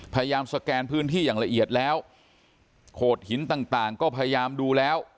สแกนพื้นที่อย่างละเอียดแล้วโขดหินต่างต่างก็พยายามดูแล้ว